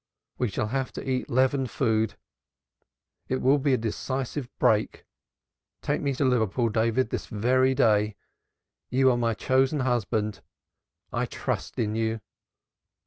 We shall have to eat leavened food it will be a decisive break. Take me to Liverpool, David, this very day. You are my chosen husband; I trust in you."